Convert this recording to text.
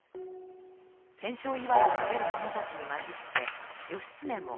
戦勝祝を述べる者たちに交じって義経も。